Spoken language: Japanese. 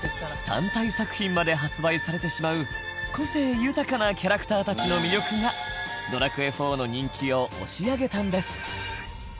単体作品まで発売されてしまう個性豊かなキャラクターたちの魅力が『ドラクエⅣ』の人気を押し上げたんです